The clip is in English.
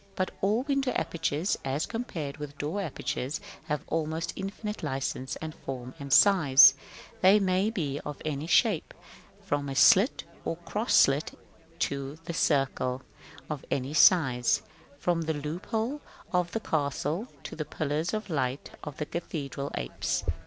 But all window apertures, as compared with door apertures, have almost infinite licence of form and size: they may be of any shape, from the slit or cross slit to the circle; of any size, from the loophole of the castle to the pillars of light of the cathedral apse.